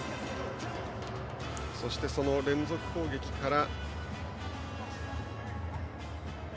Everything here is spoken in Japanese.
そして、その連続攻撃から。